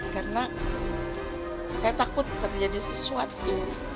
karena saya takut terjadi sesuatu